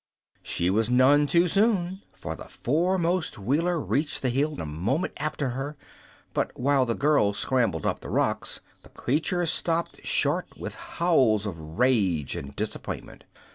She was none too soon, for the foremost Wheeler reached the hill a moment after her; but while the girl scrambled up the rocks the creature stopped short with howls of rage and disappointment.